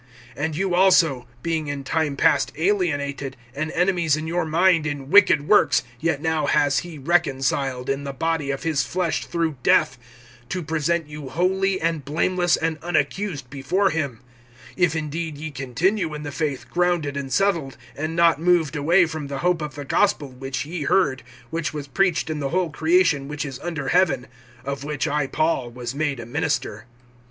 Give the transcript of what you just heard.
(21)And you also, being in time past alienated, and enemies in your mind in wicked works, yet now has he reconciled (22)in the body of his flesh through death, to present you holy and blameless and unaccused before him; (23)if indeed ye continue in the faith grounded and settled, and not moved away from the hope of the gospel, which ye heard, which was preached in the whole creation which is under heaven; of which I Paul was made a minister.